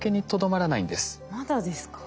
まだですか？